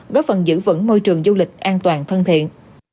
góp phần giữ vững môi trường du lịch an toàn thân thiện